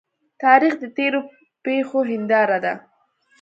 تاریخ د تیرو پیښو هنداره ده.